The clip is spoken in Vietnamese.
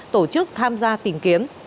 tổ chức tham gia tìm kiếm